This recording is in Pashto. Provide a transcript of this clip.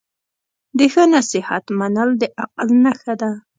د ښه نصیحت منل د عقل نښه ده.